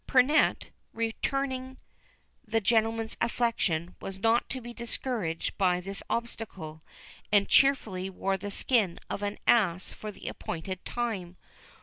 Pernette, returning the gentleman's affection, was not to be discouraged by this obstacle, and cheerfully wore the skin of an ass for the appointed time.